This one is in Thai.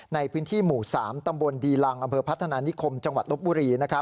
ในพื้นที่หมู่๓ตำบลดีลังอำเภอพัฒนานิคมจังหวัดลบบุรี